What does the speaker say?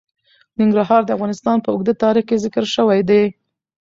ننګرهار د افغانستان په اوږده تاریخ کې ذکر شوی دی.